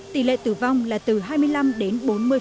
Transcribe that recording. tỷ lệ tử vong là từ hai mươi năm đến bốn mươi